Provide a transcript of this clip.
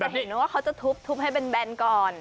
อ้าวมันจะเห็นว่าเขาจะทุบทุบให้แบนก่อน